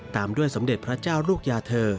ตามด้วยสมเด็จพระเจ้าลูกยาเธอ